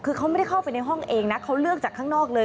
คือเขาไม่ได้เข้าไปในห้องเองนะเขาเลือกจากข้างนอกเลย